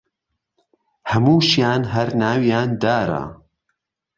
هەمووشیان هەر ناویان دارە